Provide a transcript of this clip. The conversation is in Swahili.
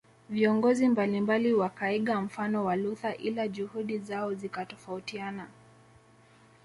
Viongozi mbalimbali wakaiga mfano wa Luther ila juhudi zao zikatofautiana